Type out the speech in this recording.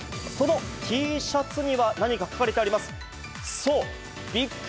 そのＴシャツには何か書かれてあります。